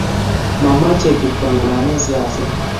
Mamechei kip kongalale siaset